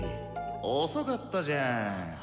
遅かったじゃん。